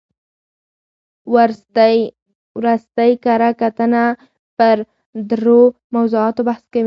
ورستۍ کره کتنه پر درو موضوعاتو بحث کوي.